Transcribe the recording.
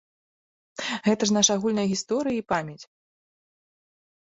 Гэта ж наша агульная гісторыя і памяць!